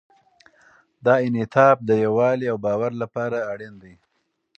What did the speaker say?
دا انعطاف د یووالي او باور لپاره اړین دی.